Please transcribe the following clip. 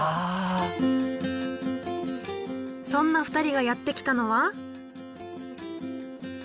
そんな２人がやって来たのは。